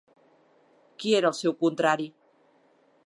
Qui era el seu contrari?